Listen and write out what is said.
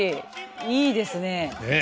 いいですねえ。